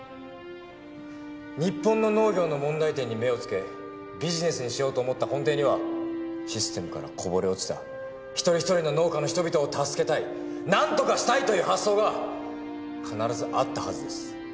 日本の農業の問題点に目を付けビジネスにしようと思った根底にはシステムからこぼれ落ちた一人一人の農家の人々を助けたいなんとかしたいという発想が必ずあったはずです。